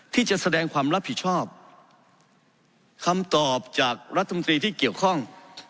ที่จะแสดงความรับผิดชอบคำตอบจากรัฐมนตรีที่เกี่ยวข้อง